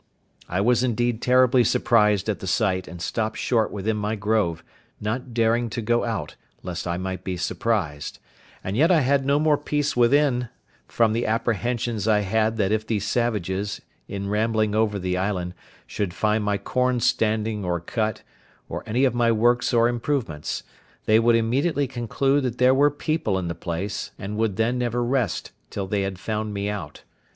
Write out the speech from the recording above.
I was indeed terribly surprised at the sight, and stopped short within my grove, not daring to go out, lest I might be surprised; and yet I had no more peace within, from the apprehensions I had that if these savages, in rambling over the island, should find my corn standing or cut, or any of my works or improvements, they would immediately conclude that there were people in the place, and would then never rest till they had found me out.